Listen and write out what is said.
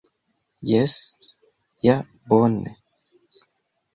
Jes, ja bone!